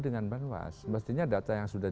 dan banwas mestinya data yang sudah